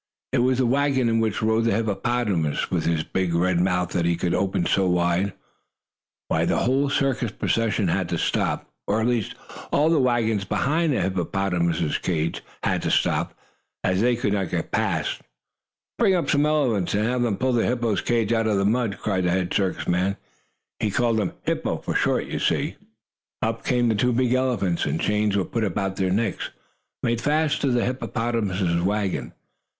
It was the wagon in which rode the hippopotamus, with his big red mouth that he could open so wide. The whole circus procession had to stop, or at least all the wagons behind the hippopotamus cage, had to stop, as they could not get past. "Bring up some of the elephants, and have them pull the hippo's cage out of the mud!" cried the head circus man. He called him "hippo" for short, you see. Up came two big elephants, and chains were put about their necks, and made fast to the hippopotamus wagon.